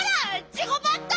ジゴバット！